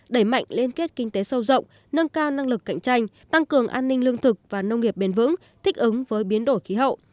đẩy mạnh liên kết kinh tế sâu rộng nâng cao năng lực cạnh tranh tăng cường an ninh lương thực và nông nghiệp bền vững thích ứng với biến đổi khí hậu